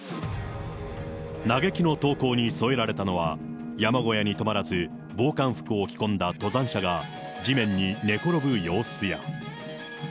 嘆きの投稿に添えられたのは、山小屋に泊まらず、防寒服を着込んだ登山者が地面に寝転ぶ様子や。